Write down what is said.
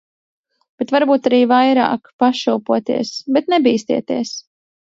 Bet varbūt arī vairāk, pašūpoties. Bet nebīstieties.